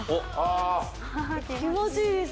気持ちいいです